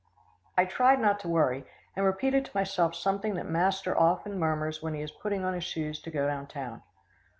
I tried not to worry, and repeated to myself something that master often murmurs when he is putting on his shoes to go down town.